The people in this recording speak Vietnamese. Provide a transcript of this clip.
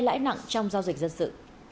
lãi nặng trong giao dịch dân sự